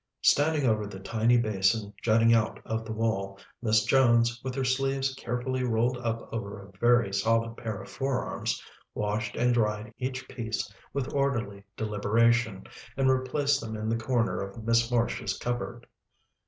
Standing over the tiny basin jutting out of the wall, Miss Jones, with her sleeves carefully rolled up over a very solid pair of forearms, washed and dried each piece with orderly deliberation, and replaced them in the corner of Miss Marsh's cupboard.